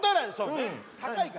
高いから。